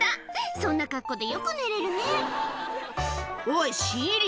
そんな格好でよく寝れるね「おい新入り